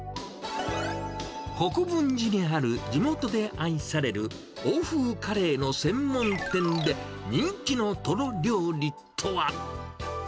国分寺にある地元で愛される欧風カレーの専門店で、人気のトロ料理とは。